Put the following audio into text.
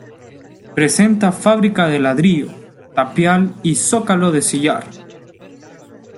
Presenta fábrica de ladrillo, tapial y zócalo de sillar.